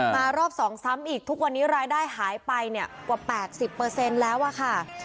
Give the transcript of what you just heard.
มารอบ๒ซ้ำอีกทุกวันนี้รายได้หายไปเนี่ยกว่า๘๐แล้วอะค่ะ